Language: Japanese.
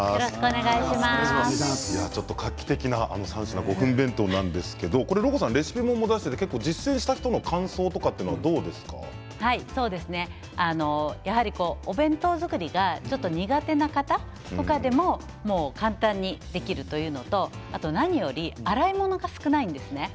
ちょっと画期的な３品５分弁当なんですけどろこさん、レシピ本も出していて実践した人のやはり、お弁当作りが苦手な方とかでも簡単にできるというのと何より洗い物が少ないんですね。